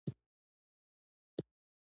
زه د ټولو بریاوو څخه خوښ یم .